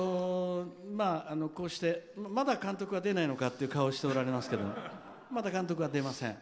まだ監督は出ないのか？という顔をしておられますがまだ監督は出ません。